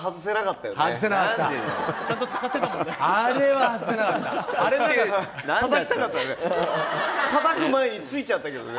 たたく前に着いちゃったけどね。